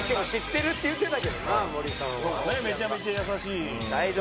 めちゃめちゃ優しい。